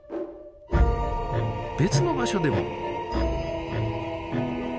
別の場所でも。